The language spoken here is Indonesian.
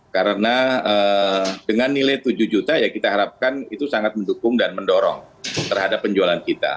karena dengan nilai tujuh juta ya kita harapkan itu sangat mendukung dan mendorong terhadap penjualan kita